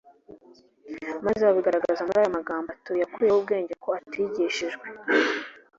maze babigaragaza muri aya magambo ngo :" Uyu yakuye he ubu bwenge ko atigishijwe?"